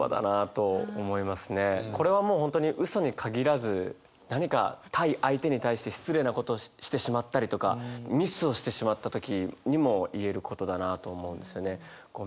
これはもう本当に嘘に限らず何か対相手に対して失礼なことをしてしまったりとかミスをしてしまった時にも言えることだなと思うんですよね。